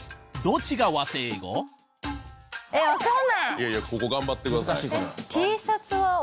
いやいやここ頑張ってください。